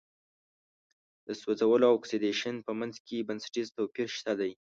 د سوځولو او اکسیدیشن په منځ کې بنسټیز توپیر شته دی.